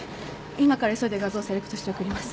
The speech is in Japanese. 今から急いで画像セレクトして送ります。